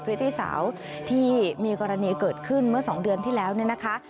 ตี้สาวที่มีกรณีเกิดขึ้นเมื่อ๒เดือนที่แล้วเนี่ยนะคะ